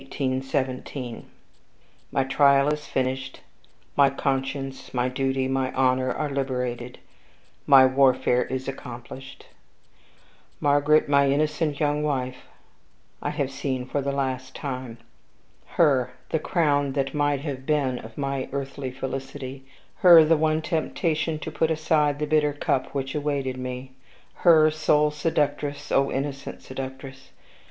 "My trial is finished; my conscience, my duty, my honor, are liberated; my 'warfare is accomplished.' Margaret, my innocent young wife, I have seen for the last time. Her, the crown that might have been of my earthly felicity her, the one temptation to put aside the bitter cup which awaited me her, sole seductress (O innocent seductress!)